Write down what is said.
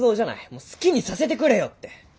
もう好きにさせてくれよって。